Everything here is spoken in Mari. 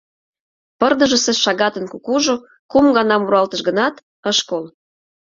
Пырдыжысе шагатын кукужо кум гана муралтыш гынат, ыш кол.